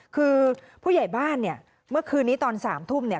คือผู้ใหญ่บ้านเนี่ยเมื่อคืนนี้ตอน๓ทุ่มเนี่ย